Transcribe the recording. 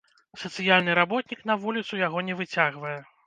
Сацыяльны работнік на вуліцу яго не выцягвае.